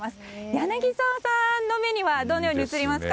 柳澤さんの目にはどのように映りますか？